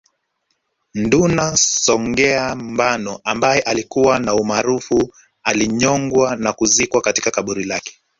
Nduna Songea Mbano ambaye alikuwa na umaarufu alinyongwa na kuzikwa katika kaburi lake